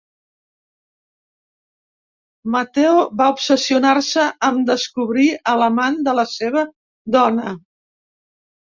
Mateo va obsessionar-se amb descobrir a l'amant de la seva dona.